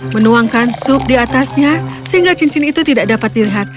menuangkan sup di atasnya sehingga cincin itu tidak dapat dilihat